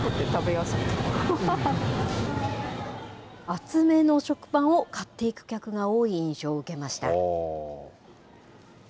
厚めの食パンを買っていく客が多い印象を受けました。